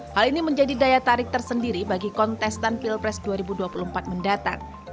hal ini menjadi daya tarik tersendiri bagi kontestan pilpres dua ribu dua puluh empat mendatang